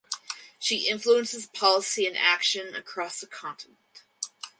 She influences policy and action across the continent.